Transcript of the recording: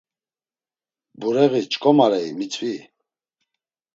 Bureği çkomarei, mitzvi.